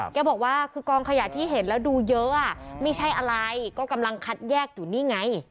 แกบอกว่าคือกองขยะที่เห็นแล้วดูเยอะไม่ใช่อะไรก็กำลังคัดแยกอยู่นี่ไง